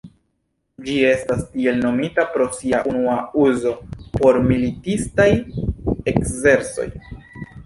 Ĝi estas tiel nomita pro sia unua uzo por militistaj ekzercoj.